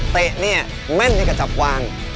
เตะเนี่ยแม่นกับจับวาง